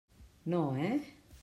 No, eh?